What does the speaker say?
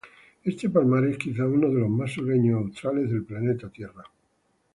Este palmar es quizás uno de los más sureños o australes del planeta Tierra.